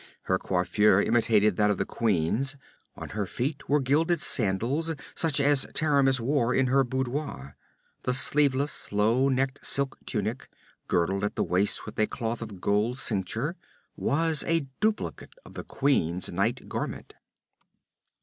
Her coiffure imitated that of the queen's, on her feet were gilded sandals such as Taramis wore in her boudoir. The sleeveless, low necked silk tunic, girdled at the waist with a cloth of gold cincture, was a duplicate of the queen's night garment.